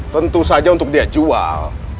tentu saja untuk dia jual